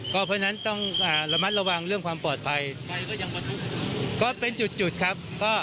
เพราะฉะนั้นต้องระมัดระวังเรื่องความปลอดภัยก็เป็นจุดจุดครับ